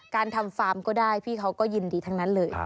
ทำฟาร์มก็ได้พี่เขาก็ยินดีทั้งนั้นเลย